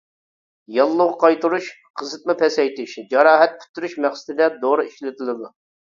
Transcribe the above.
ياللۇغ قايتۇرۇش، قىزىتما پەسەيتىش، جاراھەت پۈتتۈرۈش مەقسىتىدە دورا ئىشلىتىلىدۇ.